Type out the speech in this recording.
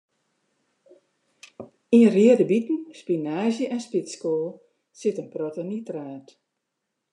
Yn reade biten, spinaazje en spitskoal sit in protte nitraat.